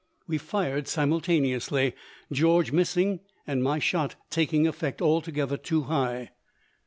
We fired simultaneously, George missing and my shot taking effect altogether too high.